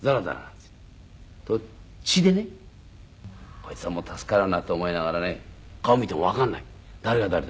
こいつはもう助からんなと思いながらね顔見てもわかんない誰が誰だか。